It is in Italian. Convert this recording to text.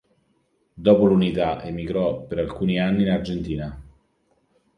Dopo l'unità emigrò per alcuni anni in Argentina.